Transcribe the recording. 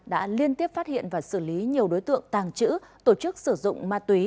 đã liên tiếp phát hiện và xử lý nhiều đối tượng tàng trữ tổ chức sử dụng ma túy